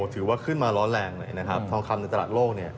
ถือว่าขึ้นมาร้อนแรงเลยนะครับทองคำในตลาดโลก